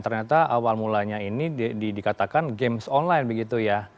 ternyata awal mulanya ini dikatakan games online begitu ya